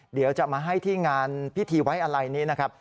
เดี๋ยวจะมาให้ที่งานพิธีไว้อะไรนี้นะครับ